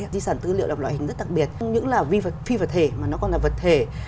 di sản tư liệu là một loại hình rất đặc biệt không những là phi vật thể mà nó còn là vật thể